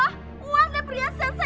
lihat pintu saya rusak pak